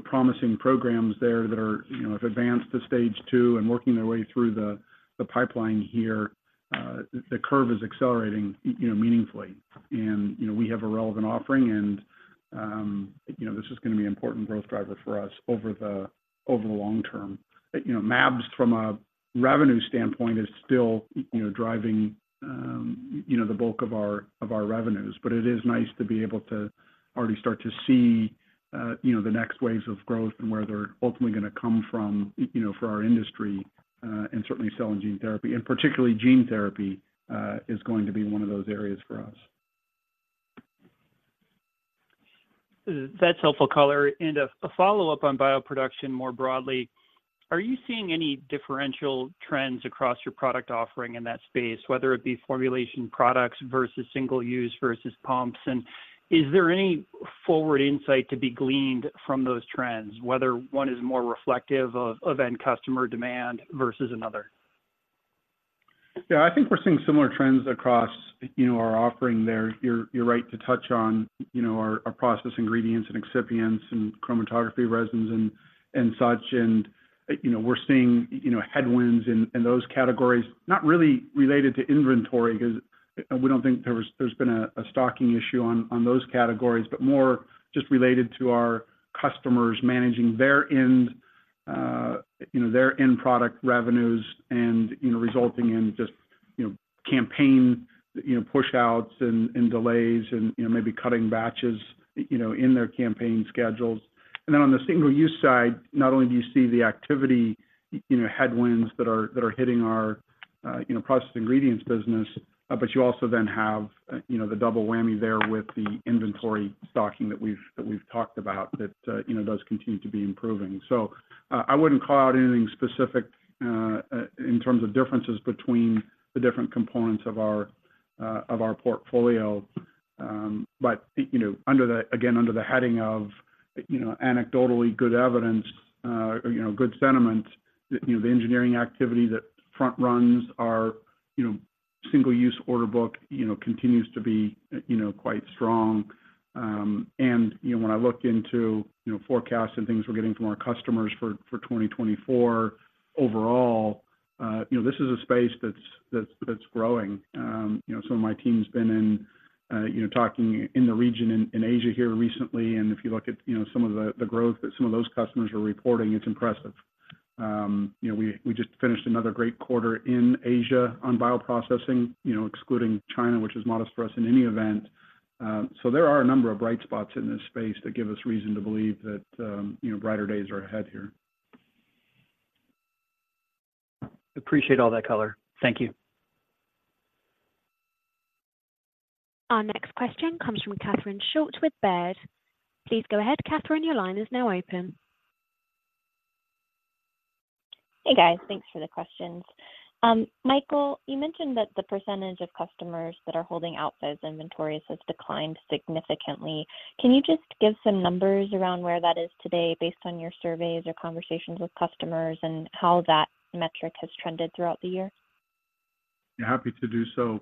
C: promising programs there that are, you know, have advanced to Stage Two and working their way through the, the pipeline here, the curve is accelerating, you know, meaningfully. And, you know, we have a relevant offering and, you know, this is going to be an important growth driver for us over the, over the long term. You know, mAbs, from a revenue standpoint, is still, you know, driving, you know, the bulk of our, of our revenues, but it is nice to be able to already start to see, you know, the next waves of growth and where they're ultimately going to come from, you know, for our industry, and certainly cell and gene therapy. Particularly gene therapy is going to be one of those areas for us.
L: That's helpful color. And a follow-up on bioproduction more broadly, are you seeing any differential trends across your product offering in that space, whether it be formulation products versus single-use versus pumps? And is there any forward insight to be gleaned from those trends, whether one is more reflective of end customer demand versus another?
C: Yeah, I think we're seeing similar trends across, you know, our offering there. You're right to touch on, you know, our process ingredients and excipients and chromatography resins and such, and, you know, we're seeing, you know, headwinds in those categories, not really related to inventory, because we don't think there's been a stocking issue on those categories, but more just related to our customers managing their end, you know, their end product revenues and, you know, resulting in just, you know, campaign pushouts and delays and, you know, maybe cutting batches, you know, in their campaign schedules. And then on the single-use side, not only do you see the activity, you know, headwinds that are hitting our, you know, process ingredients business, but you also then have, you know, the double whammy there with the inventory stocking that we've talked about that, you know, does continue to be improving. So I wouldn't call out anything specific in terms of differences between the different components of our of our portfolio. But, you know, under the again, under the heading of, you know, anecdotally good evidence, you know, good sentiment, you know, the engineering activity that front runs our, you know, single-use order book, you know, continues to be, you know, quite strong. You know, when I look into, you know, forecasts and things we're getting from our customers for 2024, overall, you know, this is a space that's growing. You know, some of my team's been in, you know, talking in the region in Asia here recently, and if you look at, you know, some of the growth that some of those customers are reporting, it's impressive. You know, we just finished another great quarter in Asia on bioprocessing, you know, excluding China, which is modest for us in any event. So there are a number of bright spots in this space that give us reason to believe that, you know, brighter days are ahead here.
L: Appreciate all that color. Thank you.
A: Our next question comes from Catherine Schulte with Baird. Please go ahead, Catherine, your line is now open.
M: Hey, guys. Thanks for the questions. Michael, you mentioned that the percentage of customers that are holding out those inventories has declined significantly. Can you just give some numbers around where that is today based on your surveys or conversations with customers and how that metric has trended throughout the year?
C: Yeah, happy to do so.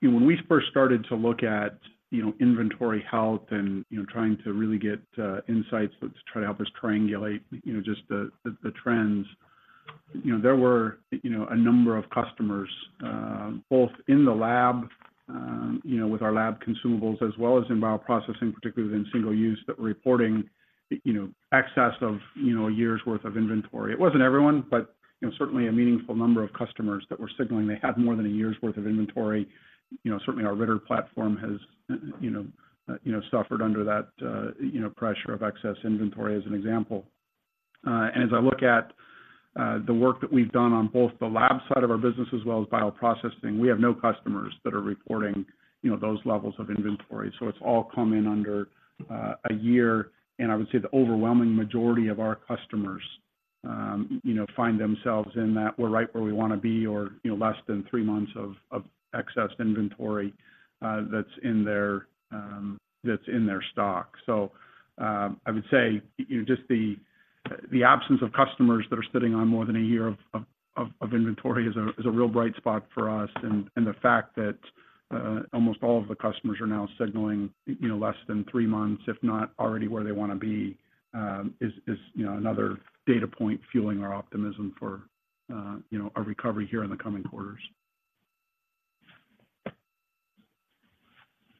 C: When we first started to look at, you know, inventory health and, you know, trying to really get insights to try to help us triangulate, you know, just the trends. You know, there were, you know, a number of customers, both in the lab, you know, with our lab consumables, as well as in bioprocessing, particularly within single use, that were reporting, you know, excess of, you know, a year's worth of inventory. It wasn't everyone, but, you know, certainly a meaningful number of customers that were signaling they had more than a year's worth of inventory. You know, certainly our Ritter platform has, you know, you know, suffered under that, pressure of excess inventory as an example. As I look at the work that we've done on both the lab side of our business as well as bioprocessing, we have no customers that are reporting, you know, those levels of inventory. It's all come in under a year, and I would say the overwhelming majority of our customers, you know, find themselves in that we're right where we want to be or, you know, less than three months of excess inventory that's in their stock. I would say, you know, just the absence of customers that are sitting on more than a year of inventory is a real bright spot for us. And the fact that almost all of the customers are now signaling, you know, less than three months, if not already where they want to be, is you know, another data point fueling our optimism for, you know, our recovery here in the coming quarters.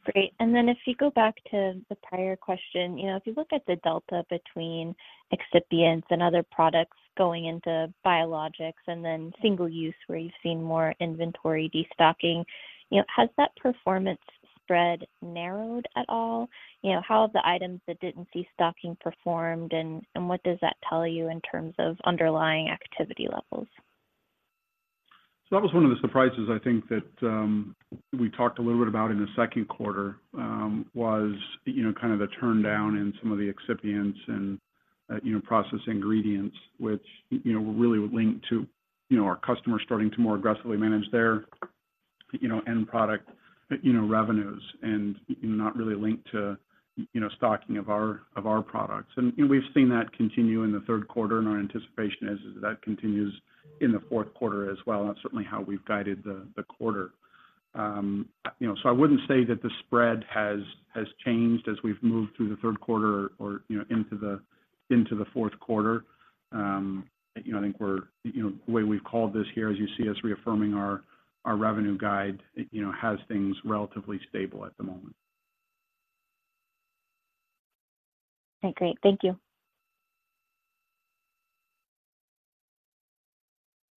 M: Great. And then if you go back to the prior question, you know, if you look at the delta between excipients and other products going into biologics and then single-use, where you've seen more inventory destocking, you know, has that performance spread narrowed at all? You know, how have the items that didn't see stocking performed, and, and what does that tell you in terms of underlying activity levels?
C: So that was one of the surprises I think that we talked a little bit about in the Q2, was, you know, kind of the turndown in some of the excipients and, you know, process ingredients, which, you know, really linked to, you know, our customers starting to more aggressively manage their, you know, end product, you know, revenues and, you know, not really linked to, you know, stocking of our, of our products. And we've seen that continue in the Q3, and our anticipation is that continues in the Q4 as well. That's certainly how we've guided the quarter. You know, so I wouldn't say that the spread has changed as we've moved through the Q3 or, you know, into the Q4. You know, I think we're, you know, the way we've called this here, as you see us reaffirming our, our revenue guide, you know, has things relatively stable at the moment.
M: Okay, great. Thank you.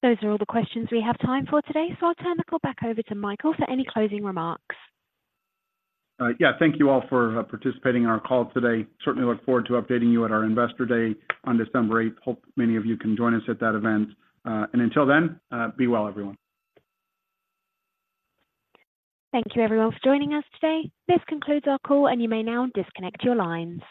A: Those are all the questions we have time for today, so I'll turn the call back over to Michael for any closing remarks.
C: Yeah, thank you all for participating in our call today. Certainly look forward to updating you at our Investor Day on December eighth. Hope many of you can join us at that event. And until then, be well, everyone.
A: Thank you, everyone, for joining us today. This concludes our call, and you may now disconnect your lines.